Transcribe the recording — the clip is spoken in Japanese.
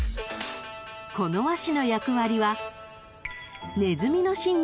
［この和紙の役割は］